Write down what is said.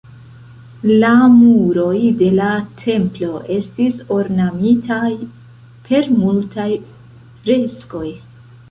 La muroj de la templo estis ornamitaj per multaj freskoj.